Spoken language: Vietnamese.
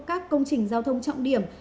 các công trình giao thông trọng điểm